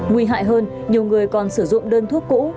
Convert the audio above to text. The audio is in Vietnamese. nguy hại hơn nhiều người còn sử dụng đơn thuốc cũ